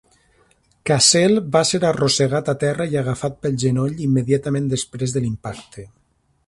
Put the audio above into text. Cassel va ser arrossegat a terra i agafat pel genoll immediatament després de l'impacte.